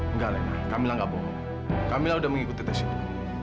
enggak alena kamilah nggak bohong kamilah sudah mengikuti tes itu